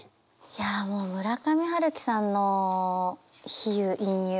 いやあもう村上春樹さんの比喩隠喩